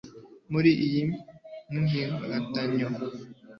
Muri iyi myivumbagatanyo